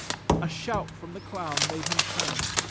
A shout from the clown made him turn.